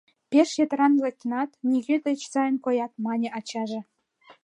— Пеш йытыран лектынат, нигӧ дечат сайын коят, — мане ачаже.